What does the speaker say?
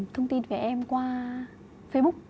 thông tin về em qua facebook